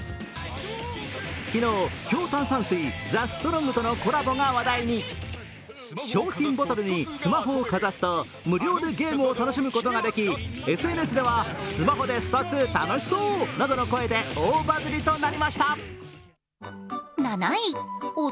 昨日、強炭酸水とのコラボが話題に商品ボトルにスマホをかざすと、無料でゲームを楽しむことができＳＮＳでは、スマホとスト２楽しそうなどの声で大バズりとなりました。